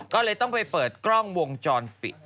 ก็เลยต้องไปเปิดกล้องวงจรปิด